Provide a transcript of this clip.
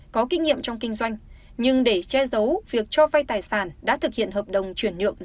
có kinh nghiệm trong kinh doanh nhưng để che giấu việc cho vay tài sản đã thực hiện hợp đồng chuyển nhượng